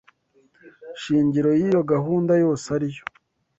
shingiro y’iyo gahunda yose ari yo